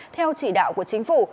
theo chỉ đạo của chính phủ